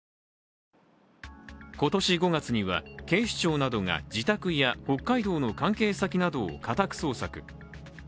今年５月には、警視庁などが自宅や北海道の関係先などを家宅捜索。